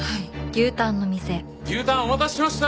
牛タンお待たせしました。